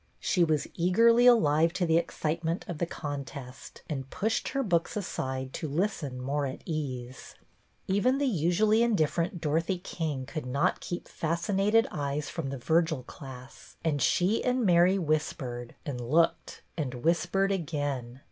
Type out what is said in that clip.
She was eagerly alive to the excitement of the contest, and pushed her books aside to listen more at ease. BETTY BAIRD 92 Even the usually indifferent Dorothy King could not keep fascinated eyes from the Vir gil class, and she and Mary whispered and looked and whispered again.